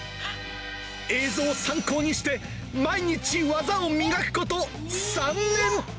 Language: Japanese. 映像を参考にして毎日、技を磨くこと３年。